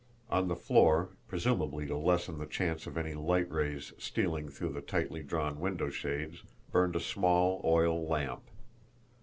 On the floor, presumably to lessen the chance of any light rays stealing through the tightly drawn window shades, burned a small oil lamp.